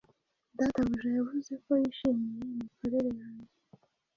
Databuja yavuze ko yishimiye imikorere yanjye.